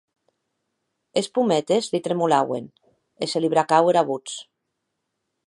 Es pometes li tremolauen, e se li bracaue era votz.